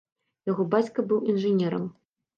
Яго бацька быў інжынерам.